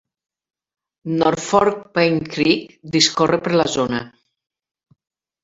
North Fork Paint Creek discorre per la zona.